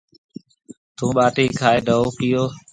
ٿون ٻاٽِي کائي ڍئو ڪيئو۔